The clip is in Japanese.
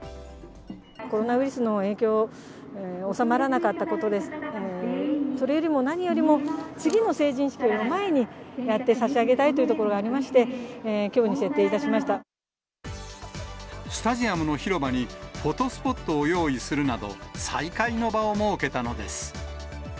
コロナウイルスの影響、収まらなかったことで、それよりも何よりも、次の成人式の前にやって差し上げたいというところがありまして、スタジアムの広場にフォトスポットを用意するなど、再会の場を設けたのです。